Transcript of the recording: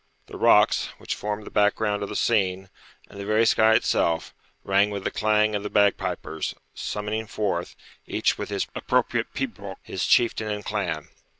The rocks, which formed the background of the scene, and the very sky itself, rang with the clang of the bagpipers, summoning forth, each with his appropriate pibroch, his chieftain and clan.